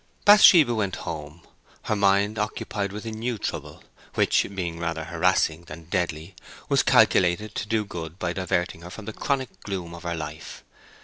Bathsheba went home, her mind occupied with a new trouble, which being rather harassing than deadly was calculated to do good by diverting her from the chronic gloom of her life.